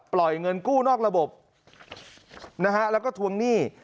ปล่อยเงินกู้นอกระบบแล้วก็ทวงหนี้